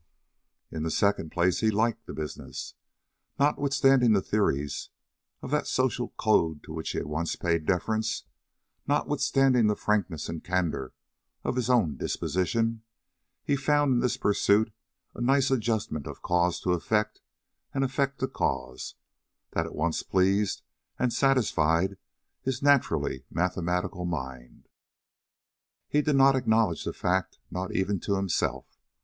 In the second place, he liked the business. Yes, notwithstanding the theories of that social code to which he once paid deference, notwithstanding the frankness and candor of his own disposition, he found in this pursuit a nice adjustment of cause to effect and effect to cause that at once pleased and satisfied his naturally mathematical mind. He did not acknowledge the fact, not even to himself.